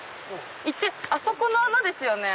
行ってあそこの穴ですよね？